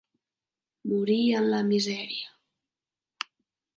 Morí en la misèria.